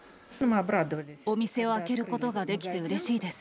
お店を開けることができてうれしいです。